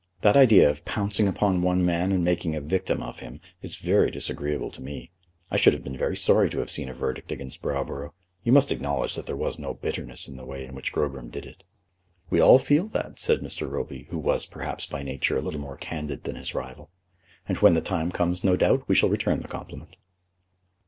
That idea of pouncing upon one man and making a victim of him is very disagreeable to me. I should have been sorry to have seen a verdict against Browborough. You must acknowledge that there was no bitterness in the way in which Grogram did it." "We all feel that," said Mr. Roby, who was, perhaps, by nature a little more candid than his rival, "and when the time comes no doubt we shall return the compliment."